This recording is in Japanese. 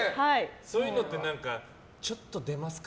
そういうのってちょっと出ますか？